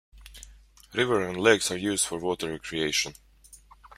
River and lakes are used for water recreation.